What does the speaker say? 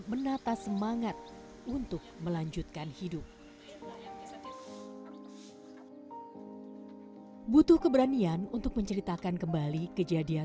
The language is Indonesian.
menata semangat untuk melanjutkan hidup butuh keberanian untuk menceritakan kembali kejadian